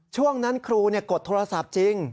ช่วงนั้นครูกดโทรศัพท์จริง